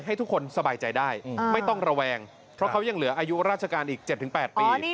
ให้ทุกคนสบายใจได้ไม่ต้องระแวงเพราะเขายังเหลืออายุราชการอีก๗๘ปี